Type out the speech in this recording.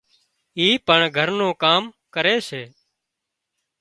اِي پڻ گھر نُون ڪام ڪري سي